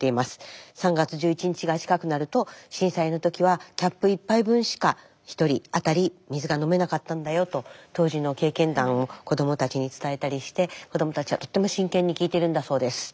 ３月１１日が近くなると震災の時はキャップ１杯分しか１人当たり水が飲めなかったんだよと当時の経験談を子どもたちに伝えたりして子どもたちはとても真剣に聞いてるんだそうです。